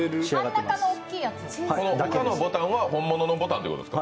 他のボタンは本物のボタンということですか？